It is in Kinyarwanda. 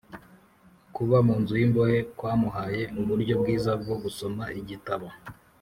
Kuba mu nzu y’imbohe kwamuhaye uburyo bwiza bwo gusoma igitabo